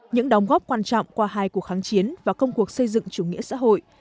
những đóng góp quan trọng qua hai cuộc kháng chiến và công cuộc xây dựng chủ nghĩa xã hội